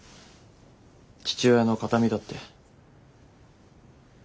父親の形見だって。